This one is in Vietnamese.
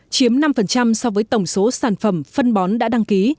chiếm năm so với tổng số sản phẩm phân bón đã đăng ký